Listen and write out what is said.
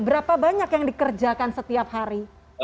berapa banyak yang dikerjakan setiap hari